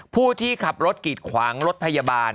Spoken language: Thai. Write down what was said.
ผู้ที่ขับรถกีดขวางรถพยาบาล